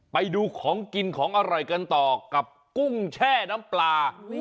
ไปดูของกินของอร่อยกันต่อกับกุ้งแช่น้ำปลา